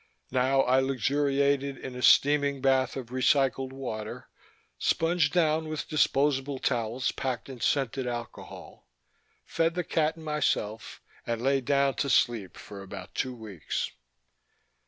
Now I luxuriated in a steaming bath of recycled water, sponged down with disposable towels packed in scented alcohol, fed the cat and myself, and lay down to sleep for about two weeks.